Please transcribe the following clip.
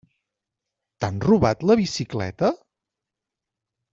T'han robat la bicicleta?